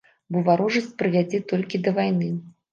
Бо варожасць прывядзе толькі да вайны.